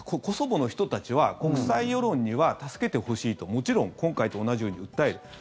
コソボの人たちは国際世論には、助けてほしいともちろん今回と同じように訴える。